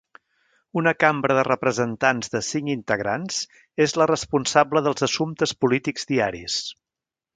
Una Cambra de Representants de cinc integrants és la responsable dels assumptes polítics diaris.